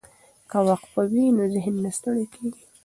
که وقفه وي نو ذهن نه ستړی کیږي.